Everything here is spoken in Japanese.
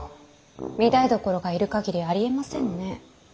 御台所がいる限りありえませんね。